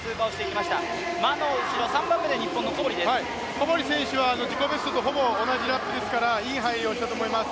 小堀選手は自己ベストとほぼ同じラップですから、いい入りをしたと思います。